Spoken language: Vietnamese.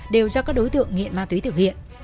đều do các đối tượng nghiện ma túy thực hiện